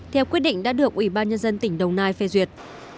theo quyết định đã được ủy ban nhân dân tỉnh đồng nai phê duyệt